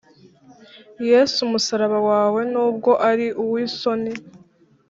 Yesu umusaraba wawe, Nubwo ari uw'isoni,